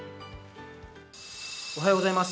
おはようございます。